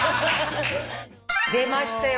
出ましたよ